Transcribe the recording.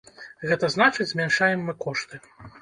Гэта значыць, змяншаем мы кошты.